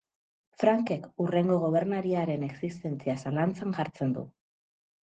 Frankek, hurrengo gobernariaren existentzia zalantzan jartzen du.